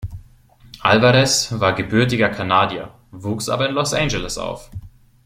Alvarez war gebürtiger Kanadier, wuchs aber in Los Angeles auf.